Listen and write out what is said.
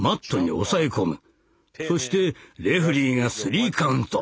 そしてレフリーがスリーカウント。